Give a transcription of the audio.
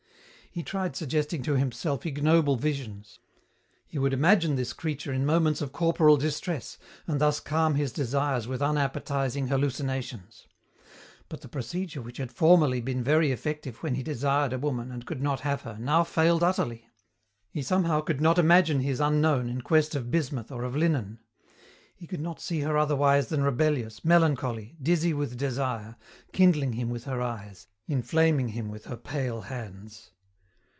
He tried suggesting to himself ignoble visions. He would imagine this creature in moments of corporal distress and thus calm his desires with unappetizing hallucinations; but the procedure which had formerly been very effective when he desired a woman and could not have her now failed utterly. He somehow could not imagine his unknown in quest of bismuth or of linen. He could not see her otherwise than rebellious, melancholy, dizzy with desire, kindling him with her eyes, inflaming him with her pale hands.